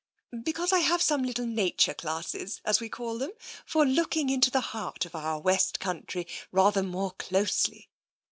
" Because I have some little nature classes, as we call them, for looking into the heart of our West Country rather more closely.